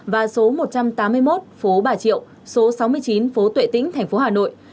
và số một trăm tám mươi một phố bà triệu số sáu mươi chín phố tuệ tĩnh thành phố hà nội